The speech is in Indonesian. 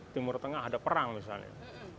timur tengah ada perang misalnya